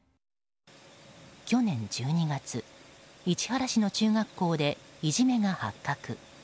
去年１２月、市原市の中学校でいじめが発覚。